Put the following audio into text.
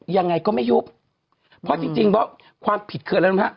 ยังไงก็ไม่ยุบเพราะจริงเพราะว่าความผิดเคลื่อนแล้วนะฮะ